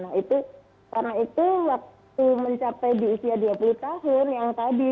nah itu karena itu waktu mencapai di usia dua puluh tahun yang tadi